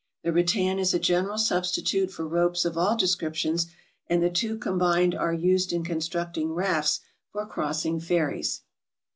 The rattan is a general substitute for ropes of all descriptions, and the two combined are used in constructing rafts for crossing ferries.